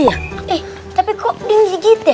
eh tapi kok ding jigit ya